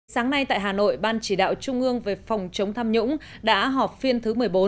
sáng nay tại hà nội ban chỉ đạo trung ương về phòng chống tham nhũng đã họp phiên thứ một mươi bốn